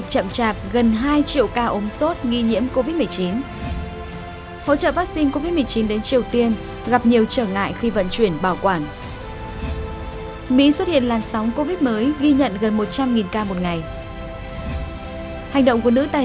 hãy đăng ký kênh để ủng hộ kênh của chúng mình nhé